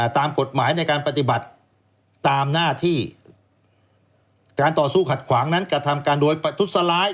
ตามกฎหมายในการปฏิบัติตามหน้าที่การต่อสู้ขัดขวางนั้นกระทำการโดยประทุษร้าย